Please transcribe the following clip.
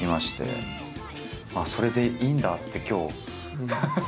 ああそれでいいんだって今日。